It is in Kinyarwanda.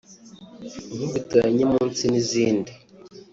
Nkubito ya Nyamunsi n’izindi